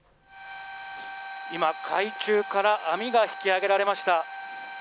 今、海中から網が引き揚げられました。